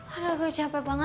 aduh gue capek banget